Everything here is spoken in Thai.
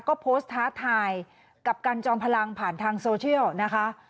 ก็โพสต์ท้าทายกับกันจอมพลังผ่านทางโซเชียลนะคะ